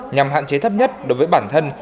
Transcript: nhằm hạn chế thấp nhất đối với bản thân